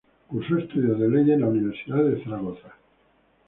Cursó estudios de Leyes en la Universidad de Zaragoza.